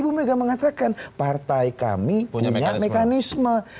bu mega mengatakan partai kami punya mekanisme